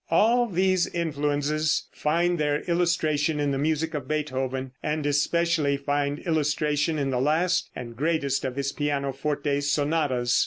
All these influences find their illustration in the music of Beethoven, and especially find illustration in the last and greatest of his pianoforte sonatas.